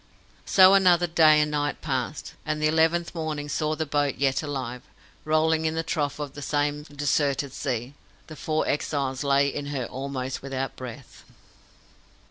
So another day and night passed, and the eleventh morning saw the boat yet alive, rolling in the trough of the same deserted sea. The four exiles lay in her almost without breath.